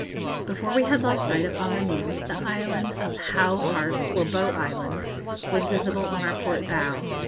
Before we had lost sight of Amanu, the island of Hao Harpe, or Bow Island, was visible on our port bow.